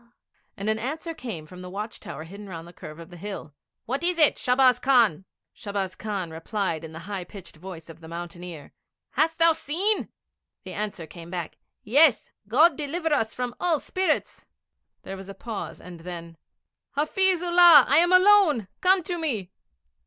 And an answer came from the watch tower hidden round the curve of the hill, 'What is it, Shahbaz Khan?' Shahbaz Khan replied in the high pitched voice of the mountaineer: 'Hast thou seen?' The answer came back: 'Yes. God deliver us from all evil spirits!' There was a pause, and then: 'Hafiz Ullah, I am alone! Come to me!'